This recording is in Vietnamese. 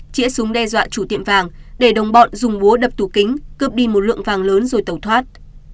chĩa súng đe dọa chủ tiệm vàng để đồng bọn dùng búa đập tủ kính cướp đi một lượng vàng lớn rồi tẩu thoát